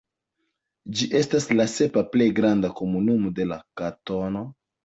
Ĝi estas la sepa plej granda komunumo de la kantono.